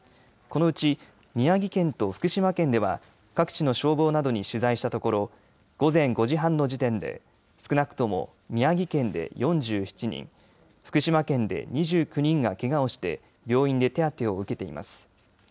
このうち宮城県と福島県では各地の消防などに取材したところ午前５時半の時点で少なくとも宮城県で４７人、福島県で２９人がけがをして病院で手当てを受けています。